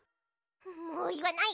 もういわない！